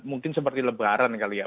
mungkin seperti lebaran kali ya